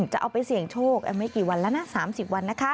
จะเอาไปเสี่ยงโชคไม่กี่วันแล้วนะ๓๐วันนะคะ